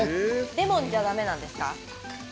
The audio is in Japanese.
レモンじゃだめなんですか？